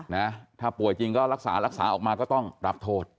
นะถ้าป่วยจริงก็รักษารักษาออกมาก็ต้องรับโทษ